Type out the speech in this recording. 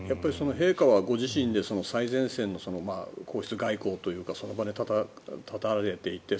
陛下はご自身で最前線の皇室外交というかその場で立たれていて